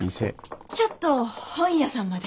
ちょっと本屋さんまで。